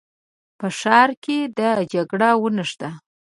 په ښار کې د جګړه ونښته.